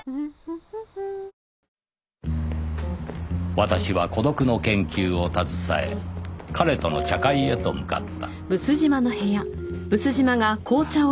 私は孤独の研究を携え“彼”との茶会へと向かった